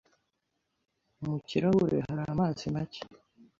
Mu kirahure hari amazi make.